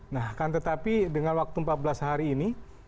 nah akan tetapi dengan waktu empat belas hari ini